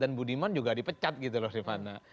dan budiman juga dipecat gitu loh sivana